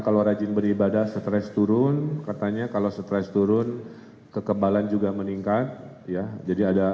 kalau rajin beribadah stres turun katanya kalau stres turun kekebalan juga meningkat ya jadi ada